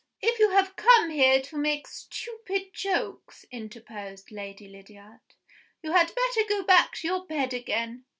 "If you have come here to make stupid jokes," interposed Lady Lydiard, "you had better go back to your bed again.